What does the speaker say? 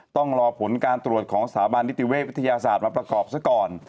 ต้องรอผลการตรวจของสถาบันนิติเวชวิทยาศาสตร์มาประกอบซะก่อน